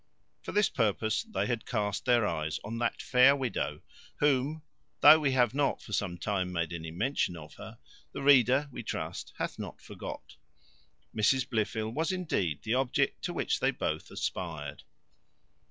For this purpose they had cast their eyes on that fair widow, whom, though we have not for some time made any mention of her, the reader, we trust, hath not forgot. Mrs Blifil was indeed the object to which they both aspired.